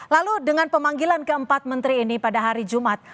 lalu dengan pemanggilan keempat menteri ini pada hari jumat